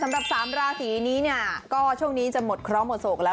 สำหรับ๓ราศีช่วงนี้จะหมดเคราะห์หมดโศกแล้ว